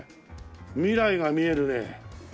未来が見えるね。